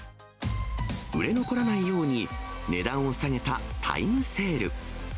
売れ残らないように、値段を下げたタイムセール。